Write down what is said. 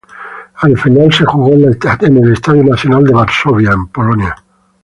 La final se jugó en el Estadio Nacional de Varsovia, en Polonia.